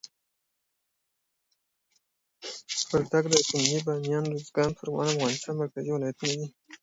وردګ، دایکندي، بامیان، اروزګان، پروان د افغانستان مرکزي ولایتونه دي.